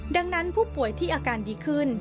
ดังนั้นผู้ป่วยที่อาการดีขึ้น